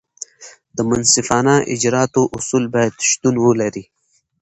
د منصفانه اجراآتو اصول باید شتون ولري.